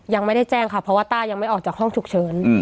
ยังไม่ได้แจ้งค่ะเพราะว่าต้ายังไม่ออกจากห้องฉุกเฉิน